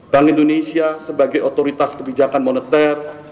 bank indonesia sebagai otoritas kebijakan moneter